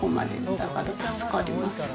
だから助かります。